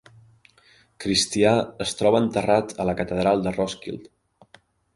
Cristià es troba enterrat a la Catedral de Roskilde.